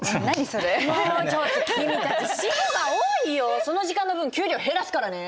その時間の分給料減らすからね。